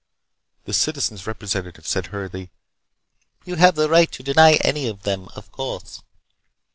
The Citizen's Representative said hurriedly: "You have the right to deny any of them, of course."